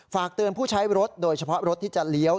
ฝากเตือนผู้ใช้รถโดยเฉพาะรถที่จะเลี้ยว